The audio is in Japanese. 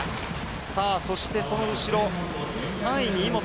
そしてその後ろ３位に井本。